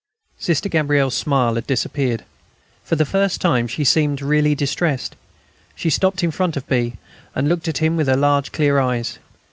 Sister Gabrielle's smile had disappeared. For the first time, she seemed really distressed. She stopped in front of B., and looked at him with her large clear eyes.